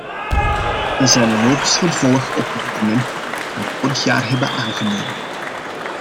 Ze zijn een logisch vervolg op de documenten die we vorig jaar hebben aangenomen.